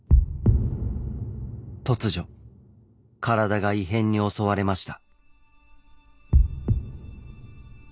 突如体が異変に襲われました。